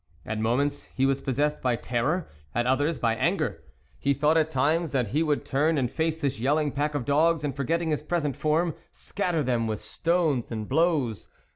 At mo ments he was possessed by terror, at others by anger. He thought at times that he would turn and face this yelling pack of dogs, and, forgetting his present form, scatter them with stones and blows.